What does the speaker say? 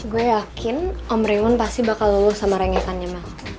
gue yakin om raymond pasti bakal lulus sama rengetannya mah